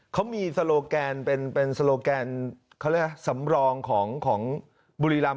เค้ามีสโลกานเป็นสโลกานเขาเรียกว่าแสมรองของบุรีลำ